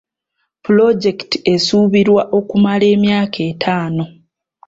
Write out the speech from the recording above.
Pulojekiti esuubirwa okumala emyaka etaano.